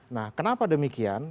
nah kenapa demikian